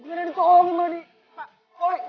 bukan ada ditolongin malah ditekan tekan kayak gitu